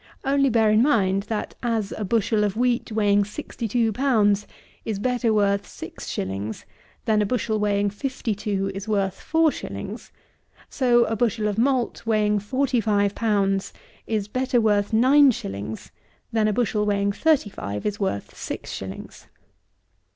Only bear in mind, that as a bushel of wheat, weighing sixty two pounds, is better worth six shillings, than a bushel weighing fifty two is worth four shillings, so a bushel of malt weighing forty five pounds is better worth nine shillings, than a bushel weighing thirty five is worth six shillings.